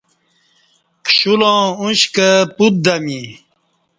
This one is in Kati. کشولاں اُشکہ پُت دمیں